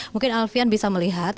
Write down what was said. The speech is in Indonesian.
mungkin alfian bisa melihat